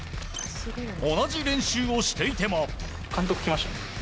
同じ練習をしていても。